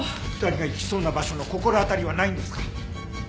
２人が行きそうな場所の心当たりはないんですか？